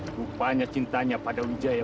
rupanya cintanya pada wijaya